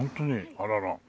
あらら。